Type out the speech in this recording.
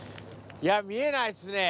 いや、見えないっすね。